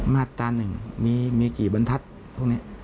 มาตรตามนึงมีกี่บรรทัดพวกนี้